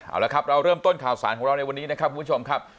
เอาละครับเราเริ่มต้นข่าวสารของเราในวันนี้นะครับคุณผู้ชมครับ